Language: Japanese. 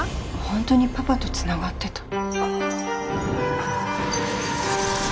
ホントにパパとつながってた？